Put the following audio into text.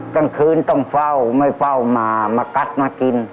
กลางคืนต้องเฝ้าไม่เฝ้ามามากัดมากิน